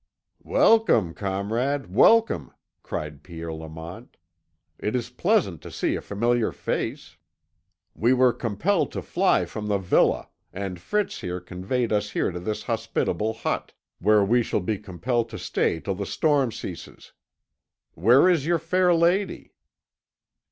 "Welcome, comrade, welcome," cried Pierre Lamont. "It is pleasant to see a familiar face. We were compelled to fly from the villa, and Fritz here conveyed us here to this hospitable hut, where we shall be compelled to stay till the storm ceases. Where is 'your fair lady?"